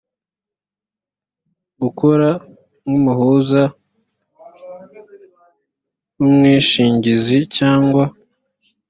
gukora nk umuhuza w umwishingizi cyangwa